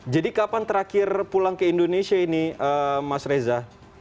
jadi kapan terakhir pulang ke indonesia ini mas reza